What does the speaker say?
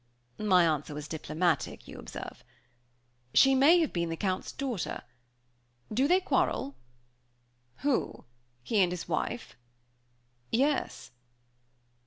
My answer was diplomatic, you observe. "She may have been the Count's daughter. Do they quarrel?" "Who, he and his wife?" "Yes."